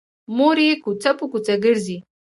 مور یې کوڅه په کوڅه ګرځي